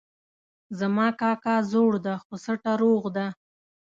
زما کاکا زوړ ده خو سټه روغ ده